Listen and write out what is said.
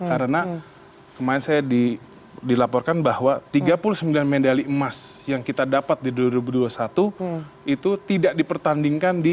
karena kemarin saya dilaporkan bahwa tiga puluh sembilan medali emas yang kita dapat di dua ribu dua puluh satu itu tidak dipertandingkan di